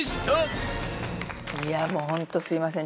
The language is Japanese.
いやもうホントすいません。